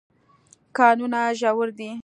کانونه ژور دي.